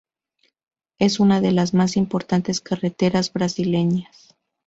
Es una de las más importantes carreteras brasileñas.